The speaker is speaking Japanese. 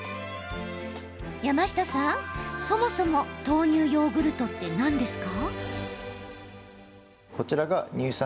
山下さん、そもそも豆乳ヨーグルトって何ですか？